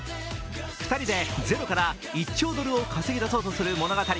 ２人でゼロから１兆ドルを稼ぎ出そうとする物語。